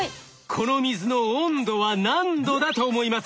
この水の温度は何度だと思いますか？